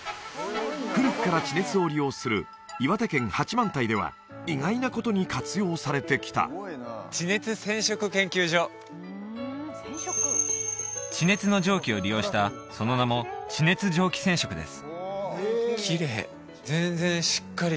古くから地熱を利用する岩手県八幡平では意外なことに活用されてきた地熱染色研究所地熱の蒸気を利用したその名も地熱蒸気染色です